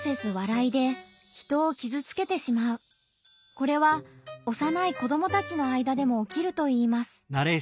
これは幼い子どもたちの間でもおきるといいます。